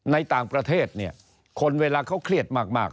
ในต่างประเทศเนี่ยคนเวลาเขาเครียดมาก